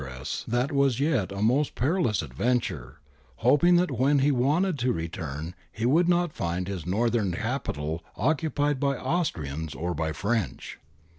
MANUEL, VICTOR EMMANUEL MARCHES SOUTH 267 that was yet a most perilous adventure, hoping that when he wanted to return he would not find his northern capital occupied by Austrians or by French.